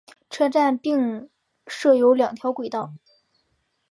车站并设有两条轨道。